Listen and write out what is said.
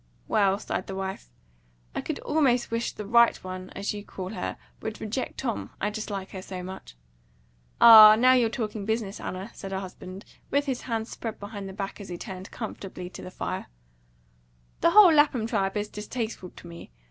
"Well," sighed the wife, "I could almost wish the right one, as you call her, would reject Tom, I dislike her so much." "Ah, now you're talking business, Anna," said her husband, with his hands spread behind the back he turned comfortably to the fire. "The whole Lapham tribe is distasteful to me.